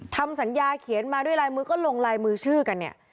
ทำสัญญาเขียนมาด้วยลายมือก็ลงลายมือชื่อกันเนี่ย